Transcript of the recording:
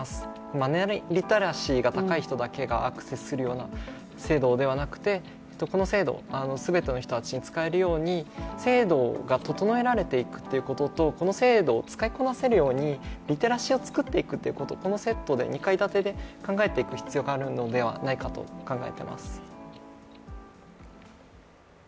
マネーリテラシーが高い人だけがアクセスする制度ではなくてこの制度、全ての人たちに使えるように制度が整えられていくということとこの制度を使いこなせるようにリテラシーを作っていく、このセットで二階建てで考えていく必要があるのではないかと考えてます。